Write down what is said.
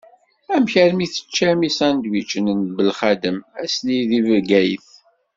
Amek armi teččam isandwičen n Belxadem ass-nni deg Bgayet?